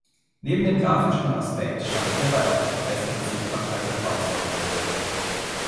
Neben dem graphischen Aspekt stand hierbei auch die verbesserte Sichtbarkeit der Fahrzeuge im Vordergrund.